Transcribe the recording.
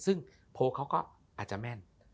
ซึ่งโพลเขาก็อาจจะแม่น